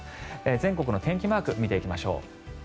全国の天気マーク見ていきましょう。